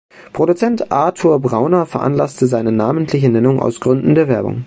Produzent Artur Brauner veranlasste seine namentliche Nennung aus Gründen der Werbung.